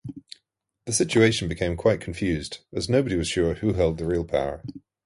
The situation became quite confused, as nobody was sure who held the real power.